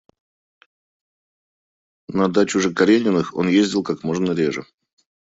На дачу же Карениных он ездил как можно реже.